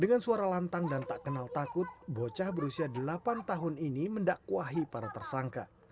dengan suara lantang dan tak kenal takut bocah berusia delapan tahun ini mendakwahi para tersangka